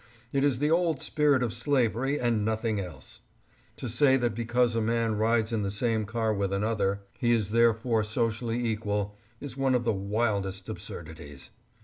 It is the old spirit of slavery and nothing else. To say that because a man rides in the same car with another, he is there fore socially equal, is one of the wildest absurdities.